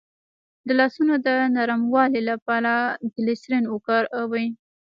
د لاسونو د نرموالي لپاره ګلسرین وکاروئ